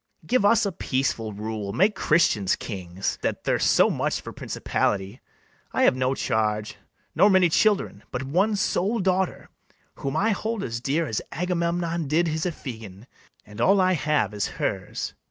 Give us a peaceful rule; make Christians kings, That thirst so much for principality. I have no charge, nor many children, But one sole daughter, whom I hold as dear As Agamemnon did his Iphigen; And all I have is hers.